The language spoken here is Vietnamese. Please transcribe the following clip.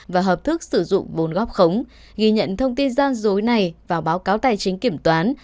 và hợp thức sử dụng bốn góp khống ghi nhận thông tin gian dối này vào báo cáo tài chính kiểm toán